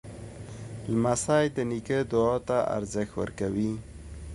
لمسی د نیکه دعا ته ارزښت ورکوي.